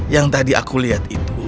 yang tadi aku lihat itu